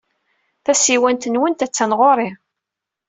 Tasiwant-nwent attan ɣer-i.